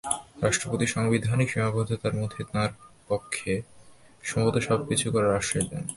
রাষ্ট্রপতি সাংবিধানিক সীমাবদ্ধতার মধ্যে তাঁর পক্ষে সম্ভব সবকিছু করার আশ্বাস দেন।